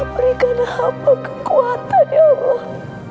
berikan hamba kekuatan ya allah